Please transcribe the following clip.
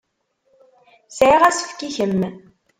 Sɛiɣ asefk i kemm.